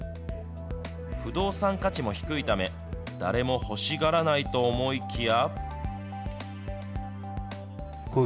不動産価値も低いため、誰も欲しがらないと思いきや。